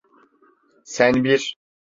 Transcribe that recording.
Sen bir…